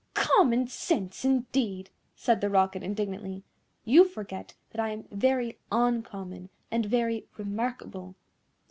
"Common sense, indeed!" said the Rocket indignantly; "you forget that I am very uncommon, and very remarkable.